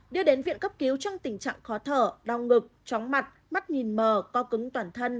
đưa đến viện cấp cứu trong tình trạng khó thở đau ngực chóng mặt mắt nhìn mờ co cứng toàn thân